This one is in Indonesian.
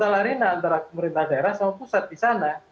arena antara pemerintah daerah sama pusat di sana